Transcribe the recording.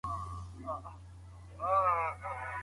غوره ژوند یوازي د لایقو کسانو په برخه نه سي کېدلای.